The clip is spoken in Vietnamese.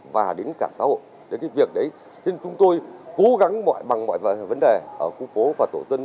và đến cả xã hội đến cái việc đấy thì chúng tôi cố gắng bằng mọi vấn đề ở khu phố và tổ dân